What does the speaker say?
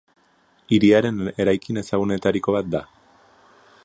Hiriaren eraikin ezagunetariko bat da.